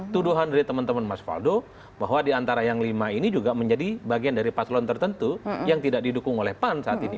tuduhan dari teman teman mas faldo bahwa diantara yang lima ini juga menjadi bagian dari paslon tertentu yang tidak didukung oleh pan saat ini